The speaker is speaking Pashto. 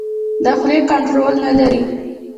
د خولې کنټرول نه لري.